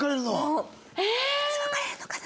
もういつ別れるのかな？